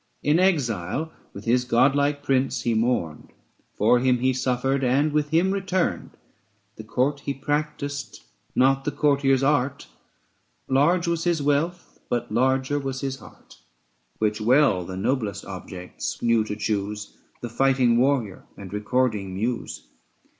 In exile with his godlike prince he mourned, For him he suffered, and with him returned. The court he practised, not the courtier's art : 825 Large was his wealth, but larger was his heart, Which well the noblest objects knew to chuse, The fighting warrior, and recording Muse.